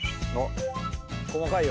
細かいよ。